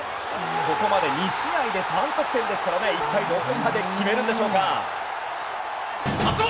ここまで２試合で３得点ですから一体どこまで決めるんでしょうか。